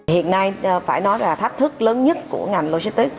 hiện nay phải nói là thách thức lớn nhất của ngành logistics